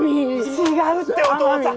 違うってお父さん